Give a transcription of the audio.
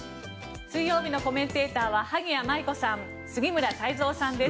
水曜日のコメンテーターは萩谷麻衣子さん杉村太蔵さんです。